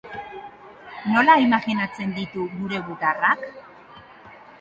Nola imaginatzen ditu gure gutarrak?